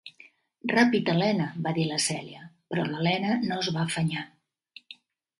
"Ràpid, Helena", va dir la Celia. Però l'Helena no es va afanyar.